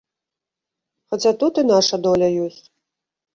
Хаця тут і наша доля ёсць.